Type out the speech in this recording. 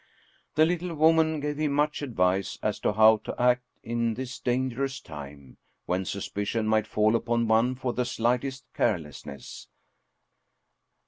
The little woman gave him much advice as to how to act in this dangerous time, when suspicion might fall upon one for the slightest carelessness.